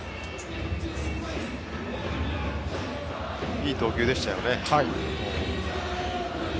いい投球でしたよね。